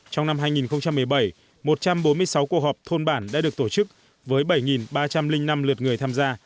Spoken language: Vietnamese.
trong năm hai nghìn một mươi bảy một trăm bốn mươi sáu cuộc họp thôn bản đã được tổ chức với bảy ba trăm linh năm lượt người tham gia